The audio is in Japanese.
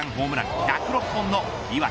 １０６本の岩手